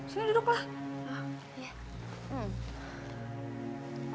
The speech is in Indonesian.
sini duduk lah